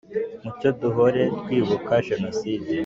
mucyo duhore twibuka jenoside